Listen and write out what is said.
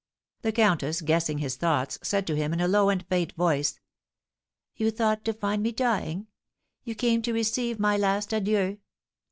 The countess, guessing his thoughts, said to him, in a low and faint voice, "You thought to find me dying! You came to receive my last adieu!"